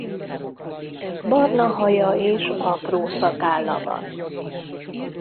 Barna haja és apró szakálla van.